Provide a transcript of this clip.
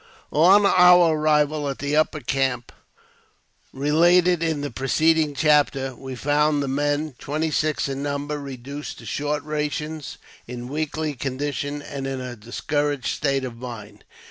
ON our arrival at the upper camp, related in the preceding chapter, we found the men, twenty six in number, reduced to short rations, in weakly condition, and in a, discouraged state of mind.